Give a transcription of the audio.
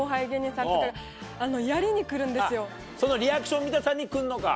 そのリアクション見たさに来るのか。